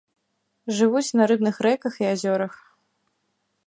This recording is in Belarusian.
Жывуць на рыбных рэках і азёрах.